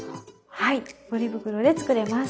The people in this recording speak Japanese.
はいポリ袋で作れます。